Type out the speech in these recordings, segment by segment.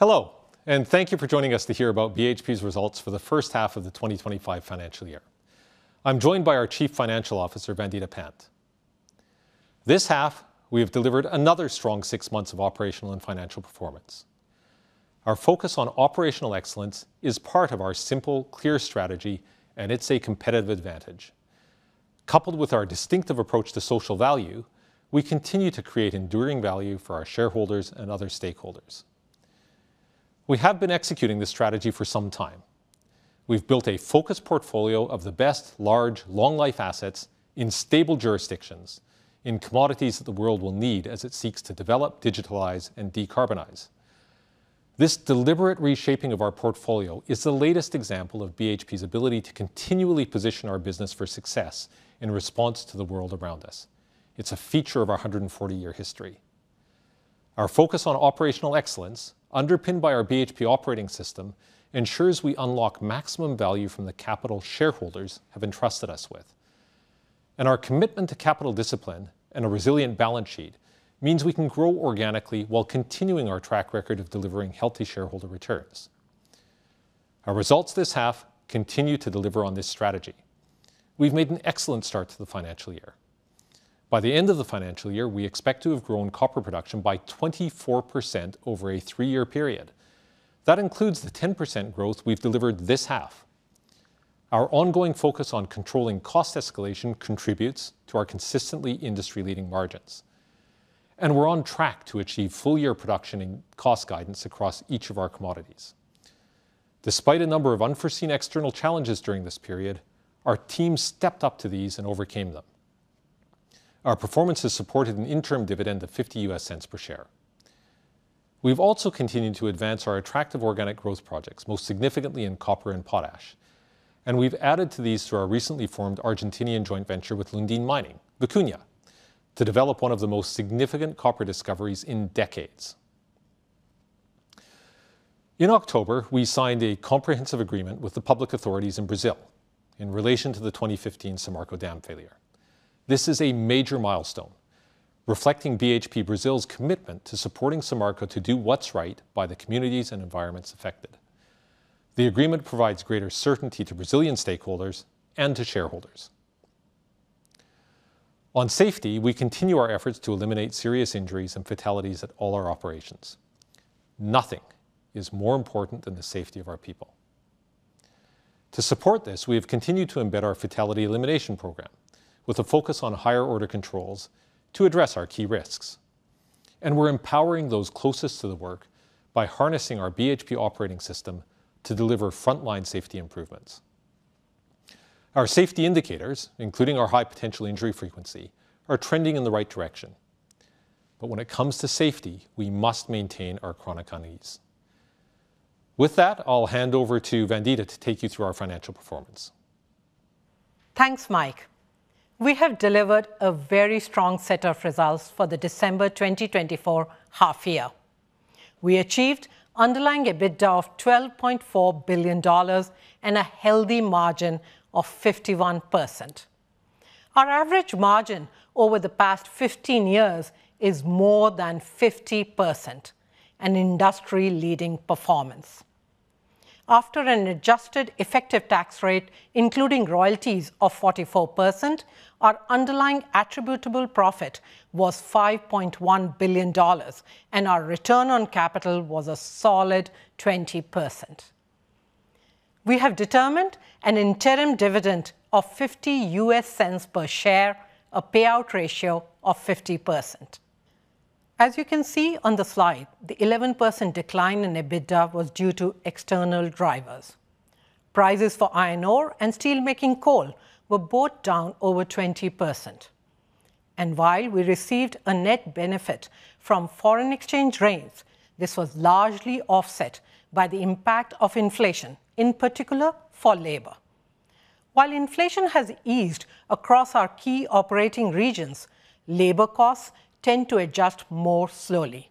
Hello, and thank you for joining us to hear about BHP's results for the first half of the 2025 financial year. I'm joined by our Chief Financial Officer, Vandita Pant. This half, we have delivered another strong six months of operational and financial performance. Our focus on operational excellence is part of our simple, clear strategy, and it's a competitive advantage. Coupled with our distinctive approach to social value, we continue to create enduring value for our shareholders and other stakeholders. We have been executing this strategy for some time. We've built a focused portfolio of the best large, long-life assets in stable jurisdictions, in commodities that the world will need as it seeks to develop, digitalize, and decarbonize. This deliberate reshaping of our portfolio is the latest example of BHP's ability to continually position our business for success in response to the world around us. It's a feature of our 140-year history. Our focus on operational excellence, underpinned by our BHP Operating System, ensures we unlock maximum value from the capital shareholders have entrusted us with. And our commitment to capital discipline and a resilient balance sheet means we can grow organically while continuing our track record of delivering healthy shareholder returns. Our results this half continue to deliver on this strategy. We've made an excellent start to the financial year. By the end of the financial year, we expect to have grown copper production by 24% over a three-year period. That includes the 10% growth we've delivered this half. Our ongoing focus on controlling cost escalation contributes to our consistently industry-leading margins. And we're on track to achieve full-year production and cost guidance across each of our commodities. Despite a number of unforeseen external challenges during this period, our team stepped up to these and overcame them. Our performance has supported an interim dividend of $0.50 per share. We've also continued to advance our attractive organic growth projects, most significantly in copper and potash. And we've added to these through our recently formed Argentinian joint venture with Lundin Mining, Vicuña, to develop one of the most significant copper discoveries in decades. In October, we signed a comprehensive agreement with the public authorities in Brazil in relation to the 2015 Samarco dam failure. This is a major milestone, reflecting BHP Brasil's commitment to supporting Samarco to do what's right by the communities and environments affected. The agreement provides greater certainty to Brazilian stakeholders and to shareholders. On safety, we continue our efforts to eliminate serious injuries and fatalities at all our operations. Nothing is more important than the safety of our people. To support this, we have continued to embed our Fatality Elimination Program with a focus on higher-order controls to address our key risks. And we're empowering those closest to the work by harnessing our BHP Operating System to deliver frontline safety improvements. Our safety indicators, including our High Potential Injury frequency, are trending in the right direction. But when it comes to safety, we must maintain our chronic unease. With that, I'll hand over to Vandita to take you through our financial performance. Thanks, Mike. We have delivered a very strong set of results for the December 2024 half-year. We achieved underlying EBITDA of $12.4 billion and a healthy margin of 51%. Our average margin over the past 15 years is more than 50%, an industry-leading performance. After an adjusted effective tax rate, including royalties, of 44%, our underlying attributable profit was $5.1 billion, and our return on capital was a solid 20%. We have determined an interim dividend of $0.50 per share, a payout ratio of 50%. As you can see on the slide, the 11% decline in EBITDA was due to external drivers. Prices for iron ore and steelmaking coal were both down over 20%. And while we received a net benefit from foreign exchange gains, this was largely offset by the impact of inflation, in particular for labor. While inflation has eased across our key operating regions, labor costs tend to adjust more slowly.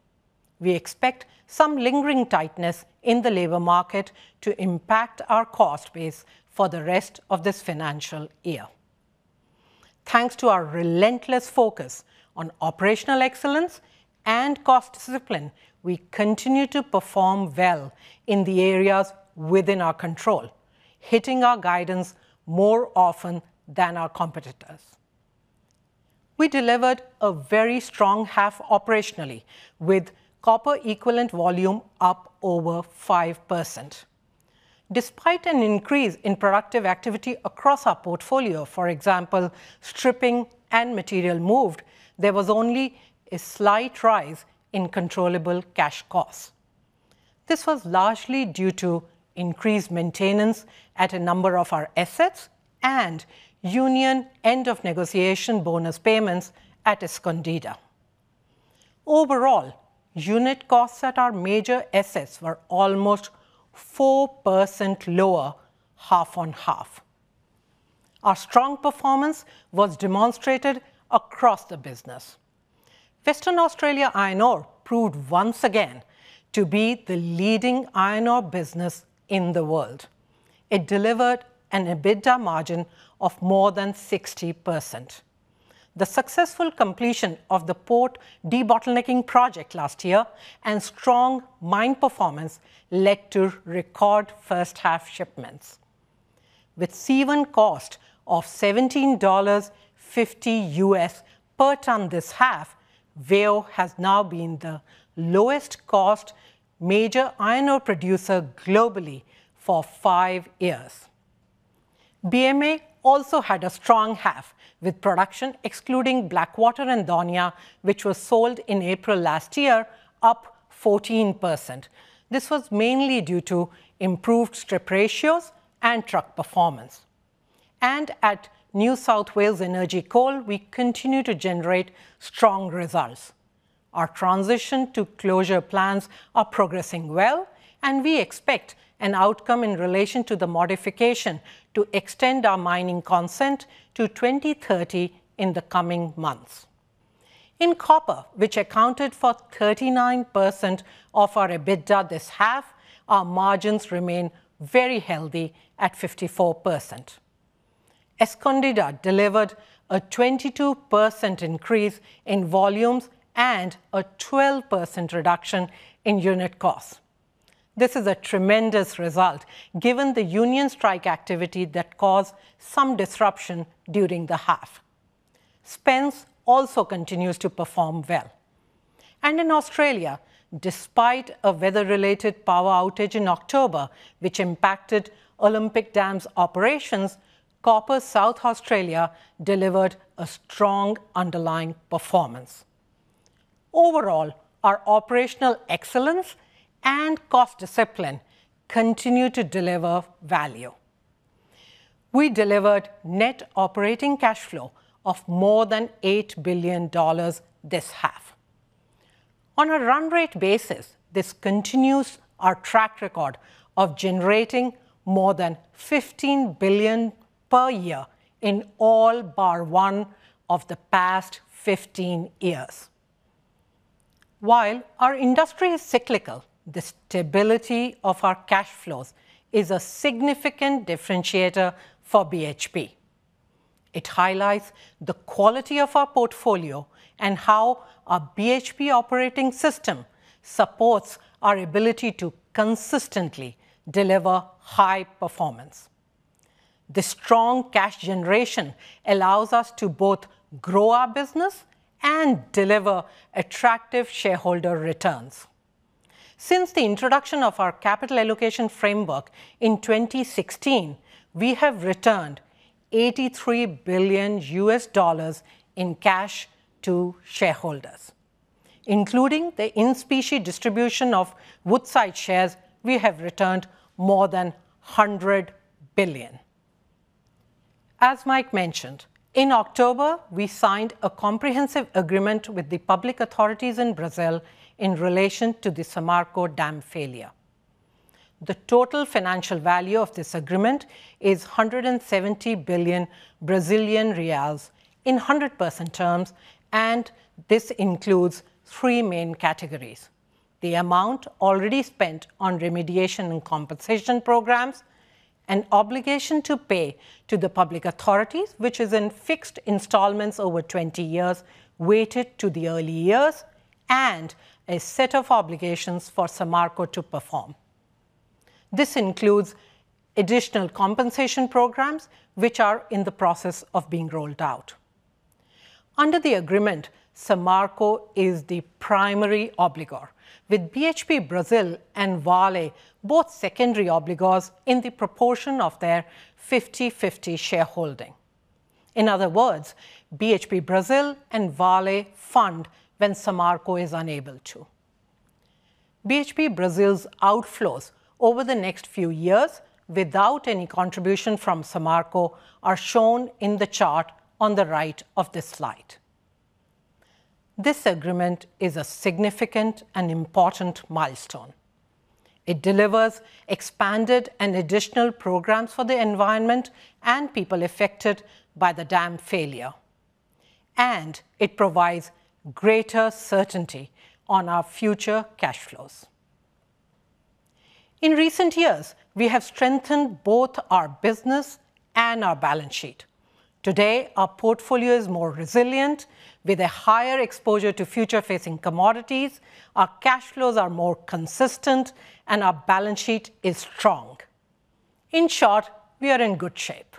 We expect some lingering tightness in the labor market to impact our cost base for the rest of this financial year. Thanks to our relentless focus on operational excellence and cost discipline, we continue to perform well in the areas within our control, hitting our guidance more often than our competitors. We delivered a very strong half operationally, with copper equivalent volume up over 5%. Despite an increase in productive activity across our portfolio, for example, stripping and material moved, there was only a slight rise in controllable cash costs. This was largely due to increased maintenance at a number of our assets and union end-of-negotiation bonus payments at Escondida. Overall, unit costs at our major assets were almost 4% lower, half on half. Our strong performance was demonstrated across the business. Western Australia Iron Ore proved once again to be the leading iron ore business in the world. It delivered an EBITDA margin of more than 60%. The successful completion of the port debottlenecking project last year and strong mine performance led to record first-half shipments. With C1 cost of $17.50 per ton this half, WAIO has now been the lowest-cost major iron ore producer globally for five years. BMA also had a strong half, with production excluding Blackwater and Daunia, which was sold in April last year, up 14%. This was mainly due to improved strip ratios and truck performance. At New South Wales Energy Coal, we continue to generate strong results. Our transition to closure plans are progressing well, and we expect an outcome in relation to the modification to extend our mining consent to 2030 in the coming months. In copper, which accounted for 39% of our EBITDA this half, our margins remain very healthy at 54%. Escondida delivered a 22% increase in volumes and a 12% reduction in unit costs. This is a tremendous result, given the union strike activity that caused some disruption during the half. Spence also continues to perform well. And in Australia, despite a weather-related power outage in October, which impacted Olympic Dam's operations, Copper South Australia delivered a strong underlying performance. Overall, our operational excellence and cost discipline continue to deliver value. We delivered net operating cash flow of more than $8 billion this half. On a run-rate basis, this continues our track record of generating more than $15 billion per year in all bar one of the past 15 years. While our industry is cyclical, the stability of our cash flows is a significant differentiator for BHP. It highlights the quality of our portfolio and how our BHP Operating System supports our ability to consistently deliver high performance. The strong cash generation allows us to both grow our business and deliver attractive shareholder returns. Since the introduction of our Capital Allocation Framework in 2016, we have returned $83 billion in cash to shareholders. Including the in specie distribution of Woodside shares, we have returned more than $100 billion. As Mike mentioned, in October, we signed a comprehensive agreement with the public authorities in Brazil in relation to the Samarco dam failure. The total financial value of this agreement is $170 billion in 100% terms, and this includes three main categories: the amount already spent on remediation and compensation programs, an obligation to pay to the public authorities, which is in fixed installments over 20 years, weighted to the early years, and a set of obligations for Samarco to perform. This includes additional compensation programs, which are in the process of being rolled out. Under the agreement, Samarco is the primary obligor, with BHP Brazil and Vale both secondary obligors in the proportion of their 50/50 shareholding. In other words, BHP Brazil and Vale fund when Samarco is unable to. BHP Brazil's outflows over the next few years without any contribution from Samarco are shown in the chart on the right of this slide. This agreement is a significant and important milestone. It delivers expanded and additional programs for the environment and people affected by the dam failure, and it provides greater certainty on our future cash flows. In recent years, we have strengthened both our business and our balance sheet. Today, our portfolio is more resilient, with a higher exposure to future-facing commodities. Our cash flows are more consistent, and our balance sheet is strong. In short, we are in good shape.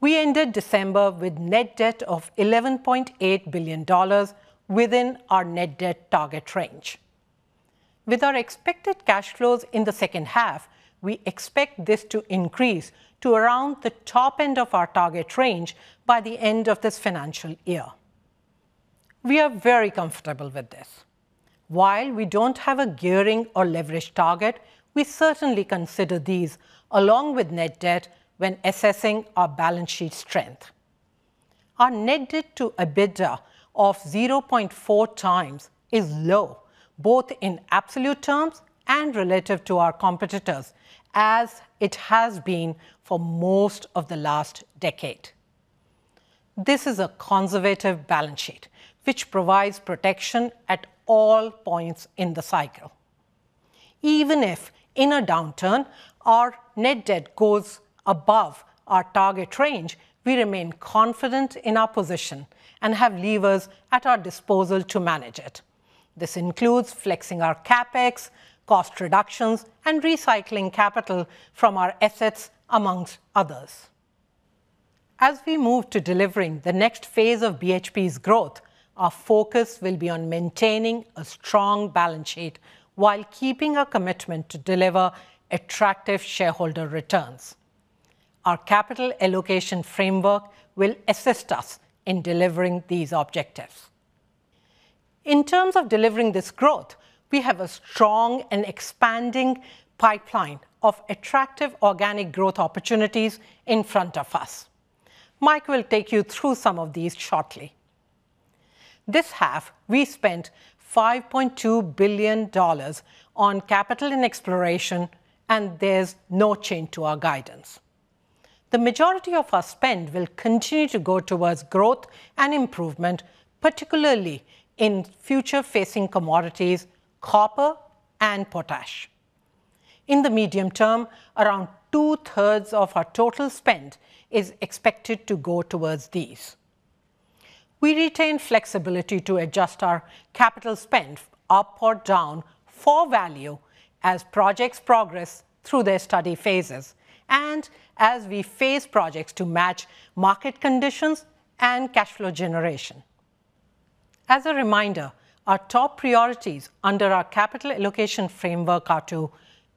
We ended December with net debt of $11.8 billion within our net debt target range. With our expected cash flows in the second half, we expect this to increase to around the top end of our target range by the end of this financial year. We are very comfortable with this. While we don't have a gearing or leverage target, we certainly consider these, along with net debt, when assessing our balance sheet strength. Our net debt to EBITDA of 0.4 times is low, both in absolute terms and relative to our competitors, as it has been for most of the last decade. This is a conservative balance sheet, which provides protection at all points in the cycle. Even if in a downturn, our net debt goes above our target range, we remain confident in our position and have levers at our disposal to manage it. This includes flexing our CapEx, cost reductions, and recycling capital from our assets, amongst others. As we move to delivering the next phase of BHP's growth, our focus will be on maintaining a strong balance sheet while keeping our commitment to deliver attractive shareholder returns. Our capital allocation framework will assist us in delivering these objectives. In terms of delivering this growth, we have a strong and expanding pipeline of attractive organic growth opportunities in front of us. Mike will take you through some of these shortly. This half, we spent $5.2 billion on capital and exploration, and there's no change to our guidance. The majority of our spend will continue to go towards growth and improvement, particularly in future-facing commodities, copper, and potash. In the medium term, around two-thirds of our total spend is expected to go towards these. We retain flexibility to adjust our capital spend up or down for value as projects progress through their study phases and as we phase projects to match market conditions and cash flow generation. As a reminder, our top priorities under our capital allocation framework are to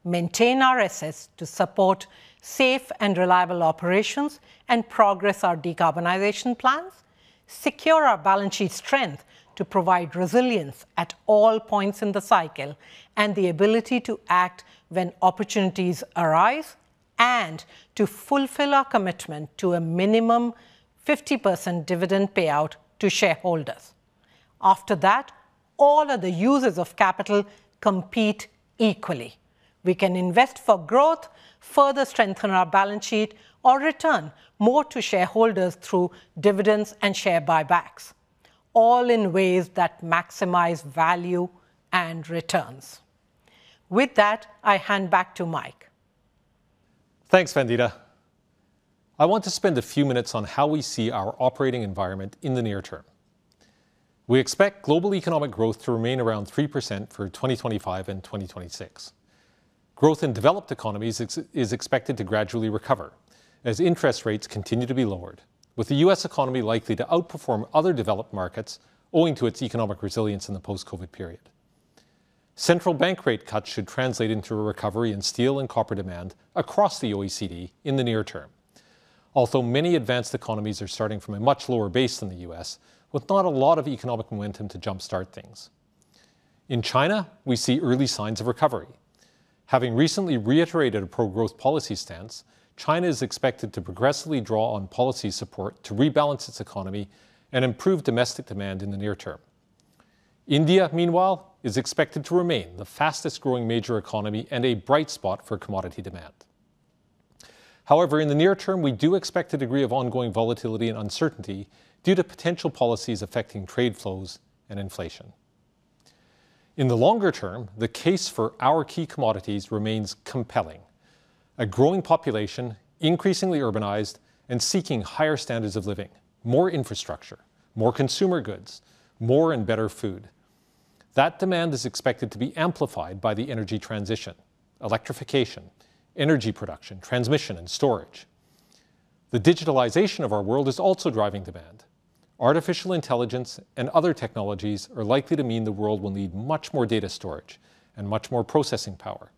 maintain our assets to support safe and reliable operations and progress our decarbonization plans, secure our balance sheet strength to provide resilience at all points in the cycle, and the ability to act when opportunities arise, and to fulfill our commitment to a minimum 50% dividend payout to shareholders. After that, all other uses of capital compete equally. We can invest for growth, further strengthen our balance sheet, or return more to shareholders through dividends and share buybacks, all in ways that maximize value and returns. With that, I hand back to Mike. Thanks, Vandita. I want to spend a few minutes on how we see our operating environment in the near term. We expect global economic growth to remain around 3% for 2025 and 2026. Growth in developed economies is expected to gradually recover as interest rates continue to be lowered, with the U.S. economy likely to outperform other developed markets owing to its economic resilience in the post-COVID period. Central bank rate cuts should translate into a recovery in steel and copper demand across the OECD in the near term, although many advanced economies are starting from a much lower base than the U.S., with not a lot of economic momentum to jumpstart things. In China, we see early signs of recovery. Having recently reiterated a pro-growth policy stance, China is expected to progressively draw on policy support to rebalance its economy and improve domestic demand in the near term. India, meanwhile, is expected to remain the fastest-growing major economy and a bright spot for commodity demand. However, in the near term, we do expect a degree of ongoing volatility and uncertainty due to potential policies affecting trade flows and inflation. In the longer term, the case for our key commodities remains compelling. A growing population, increasingly urbanized and seeking higher standards of living, more infrastructure, more consumer goods, more and better food. That demand is expected to be amplified by the energy transition, electrification, energy production, transmission, and storage. The digitalization of our world is also driving demand. Artificial intelligence and other technologies are likely to mean the world will need much more data storage and much more processing power.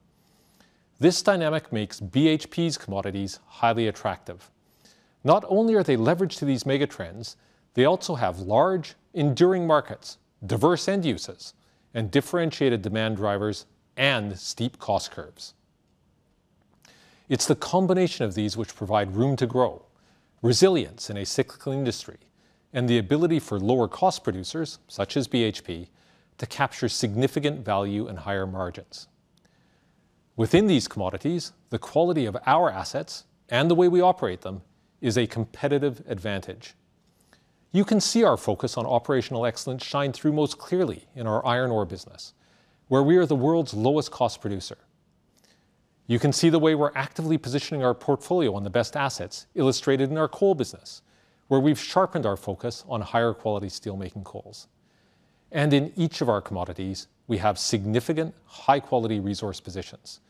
This dynamic makes BHP's commodities highly attractive. Not only are they leveraged to these mega trends, they also have large, enduring markets, diverse end uses, and differentiated demand drivers and steep cost curves. It's the combination of these which provide room to grow, resilience in a cyclical industry, and the ability for lower-cost producers, such as BHP, to capture significant value and higher margins. Within these commodities, the quality of our assets and the way we operate them is a competitive advantage. You can see our focus on operational excellence shine through most clearly in our iron ore business, where we are the world's lowest-cost producer. You can see the way we're actively positioning our portfolio on the best assets illustrated in our coal business, where we've sharpened our focus on higher-quality steelmaking coals. And in each of our commodities, we have significant high-quality resource positions,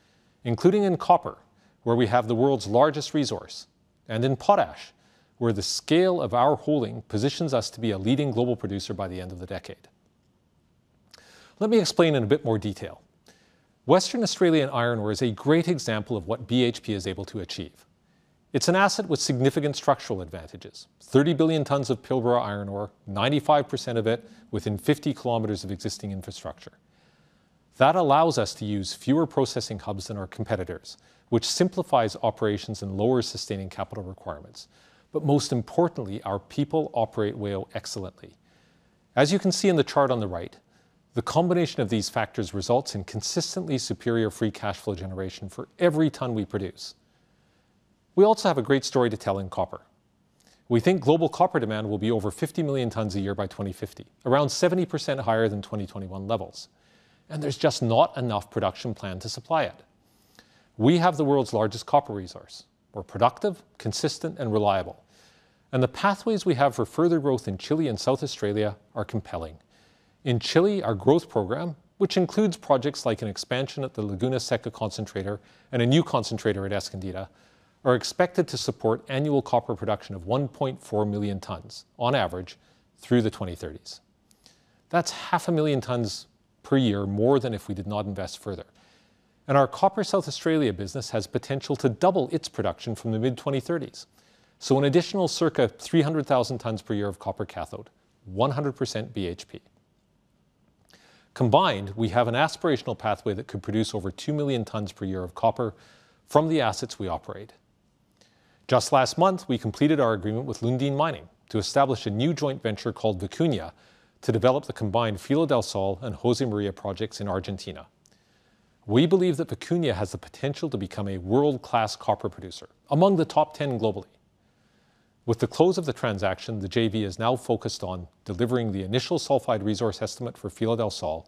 including in copper, where we have the world's largest resource, and in potash, where the scale of our holding positions us to be a leading global producer by the end of the decade. Let me explain in a bit more detail. Western Australia iron ore is a great example of what BHP is able to achieve. It's an asset with significant structural advantages: 30 billion tons of Pilbara iron ore, 95% of it within 50 kilometers of existing infrastructure. That allows us to use fewer processing hubs than our competitors, which simplifies operations and lowers sustaining capital requirements. But most importantly, our people operate well excellently. As you can see in the chart on the right, the combination of these factors results in consistently superior free cash flow generation for every ton we produce. We also have a great story to tell in copper. We think global copper demand will be over 50 million tons a year by 2050, around 70% higher than 2021 levels. And there's just not enough production planned to supply it. We have the world's largest copper resource. We're productive, consistent, and reliable. And the pathways we have for further growth in Chile and South Australia are compelling. In Chile, our growth program, which includes projects like an expansion at the Laguna Seca concentrator and a new concentrator at Escondida, are expected to support annual copper production of 1.4 million tons, on average, through the 2030s. That's 500,000 tons per year more than if we did not invest further. And our Copper South Australia business has potential to double its production from the mid-2030s. So an additional circa 300,000 tons per year of copper cathode, 100% BHP. Combined, we have an aspirational pathway that could produce over two million tons per year of copper from the assets we operate. Just last month, we completed our agreement with Lundin Mining to establish a new joint venture called Vicuña to develop the combined Filo del Sol and Josemaria projects in Argentina. We believe that Vicuña has the potential to become a world-class copper producer, among the top 10 globally. With the close of the transaction, the JV is now focused on delivering the initial sulfide resource estimate for Filo del Sol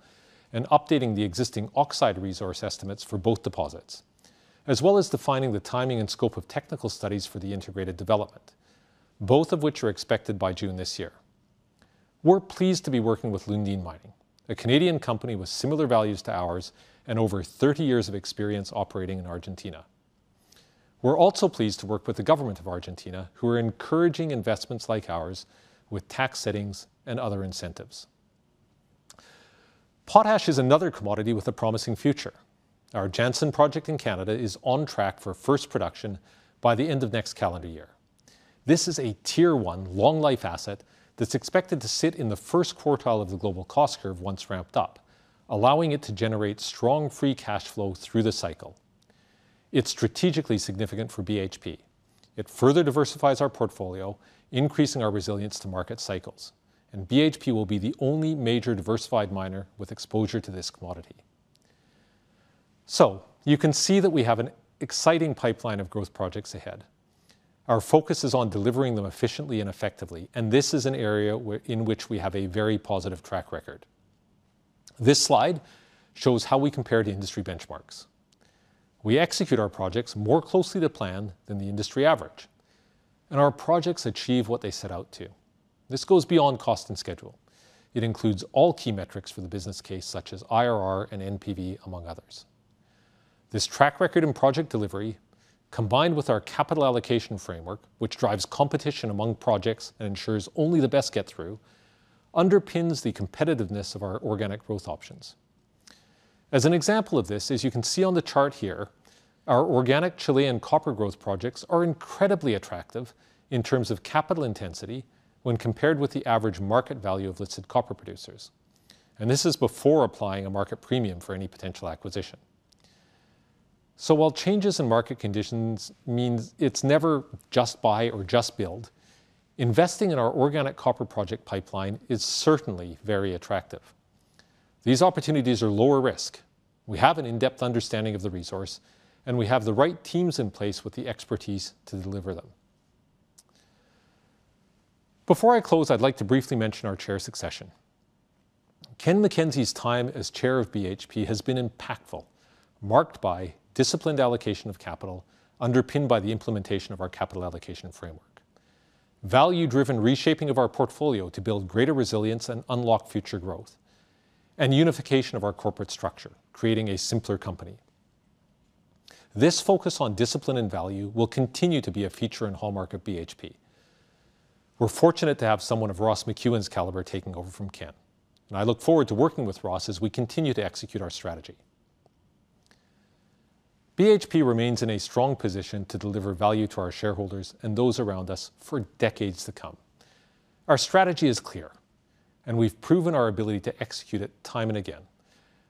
and updating the existing oxide resource estimates for both deposits, as well as defining the timing and scope of technical studies for the integrated development, both of which are expected by June this year. We're pleased to be working with Lundin Mining, a Canadian company with similar values to ours and over 30 years of experience operating in Argentina. We're also pleased to work with the government of Argentina, who are encouraging investments like ours with tax settings and other incentives. Potash is another commodity with a promising future. Our Jansen project in Canada is on track for first production by the end of next calendar year. This is a tier-one, long-life asset that's expected to sit in the first quartile of the global cost curve once ramped up, allowing it to generate strong free cash flow through the cycle. It's strategically significant for BHP. It further diversifies our portfolio, increasing our resilience to market cycles, and BHP will be the only major diversified miner with exposure to this commodity, so you can see that we have an exciting pipeline of growth projects ahead. Our focus is on delivering them efficiently and effectively, and this is an area in which we have a very positive track record. This slide shows how we compare to industry benchmarks. We execute our projects more closely to plan than the industry average, and our projects achieve what they set out to. This goes beyond cost and schedule. It includes all key metrics for the business case, such as IRR and NPV, among others. This track record in project delivery, combined with our capital allocation framework, which drives competition among projects and ensures only the best get-through, underpins the competitiveness of our organic growth options. As an example of this, as you can see on the chart here, our organic Chilean copper growth projects are incredibly attractive in terms of capital intensity when compared with the average market value of listed copper producers, and this is before applying a market premium for any potential acquisition. So while changes in market conditions mean it's never just buy or just build, investing in our organic copper project pipeline is certainly very attractive. These opportunities are lower risk. We have an in-depth understanding of the resource, and we have the right teams in place with the expertise to deliver them. Before I close, I'd like to briefly mention our chair succession. Ken MacKenzie's time as chair of BHP has been impactful, marked by disciplined allocation of capital, underpinned by the implementation of our capital allocation framework, value-driven reshaping of our portfolio to build greater resilience and unlock future growth, and unification of our corporate structure, creating a simpler company. This focus on discipline and value will continue to be a feature and hallmark of BHP. We're fortunate to have someone of Ross McEwan's caliber taking over from Ken. I look forward to working with Ross as we continue to execute our strategy. BHP remains in a strong position to deliver value to our shareholders and those around us for decades to come. Our strategy is clear, and we've proven our ability to execute it time and again.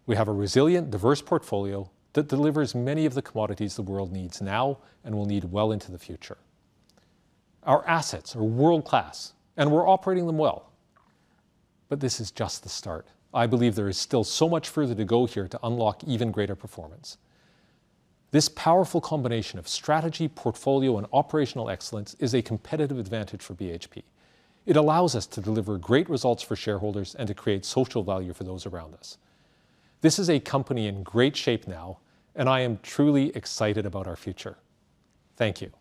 We have a resilient, diverse portfolio that delivers many of the commodities the world needs now and will need well into the future. Our assets are world-class, and we're operating them well. But this is just the start. I believe there is still so much further to go here to unlock even greater performance. This powerful combination of strategy, portfolio, and operational excellence is a competitive advantage for BHP. It allows us to deliver great results for shareholders and to create social value for those around us. This is a company in great shape now, and I am truly excited about our future. Thank you.